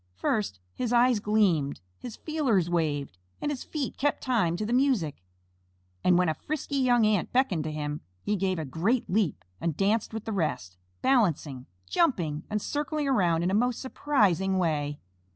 First, his eyes gleamed, his feelers waved, and his feet kept time to the music, and, when a frisky young Ant beckoned to him, he gave a great leap and danced with the rest, balancing, jumping, and circling around in a most surprising way.